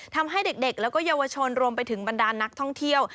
ทำให้เด็กแล้วก็เยาวชนรวมไปถึงบรรดานักท่องเที่ยว